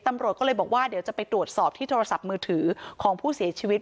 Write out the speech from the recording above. ตำรวจก็เลยบอกว่าเดี๋ยวจะไปตรวจสอบที่โทรศัพท์มือถือของผู้เสียชีวิต